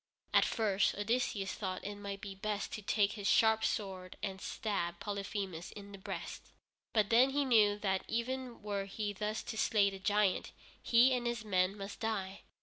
At first Odysseus thought it might be best to take his sharp sword and stab Polyphemus in the breast. But then he knew that even were he thus to slay the giant, he and his men must die.